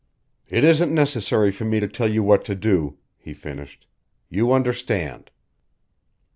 "It isn't necessary for me to tell you what to do," he finished, "You understand."